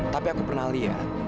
tapi aku pernah lihat